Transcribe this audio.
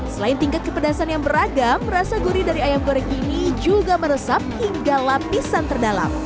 selain tingkat kepedasan yang beragam rasa gurih dari ayam goreng ini juga meresap hingga lapisan terdalam